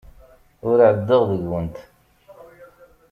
Ur ɛeddaɣ deg-went.